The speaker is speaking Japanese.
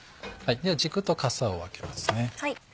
軸とかさを分けますね。